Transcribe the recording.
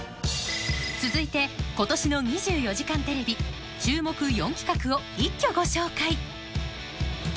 続いて今年の『２４時間テレビ』注目４企画を一挙ご紹介